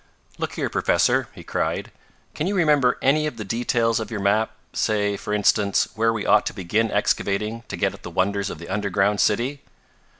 "Look here, Professor!" he cried. "Can you remember any of the details of your map say, for instance, where we ought to begin excavating to get at the wonders of the underground city?"